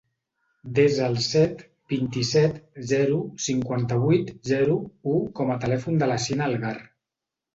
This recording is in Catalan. Desa el set, vint-i-set, zero, cinquanta-vuit, zero, u com a telèfon de la Siena Algar.